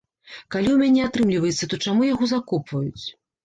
Калі ў мяне атрымліваецца, то чаму яго закопваць?